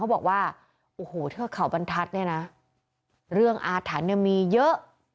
บอกว่าโอ้โหเทือกเขาบรรทัศน์เนี่ยนะเรื่องอาถรรพ์เนี่ยมีเยอะ